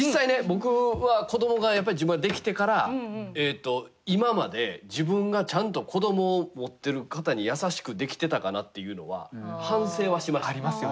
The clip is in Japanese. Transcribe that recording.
僕は子どもがやっぱり自分はできてから今まで自分がちゃんと子どもを持ってる方に優しくできてたかなっていうのは反省はしました。